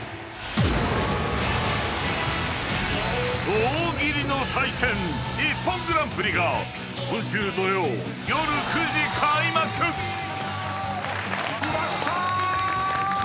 ［大喜利の祭典『ＩＰＰＯＮグランプリ』が今週土曜夜９時開幕］よしっ！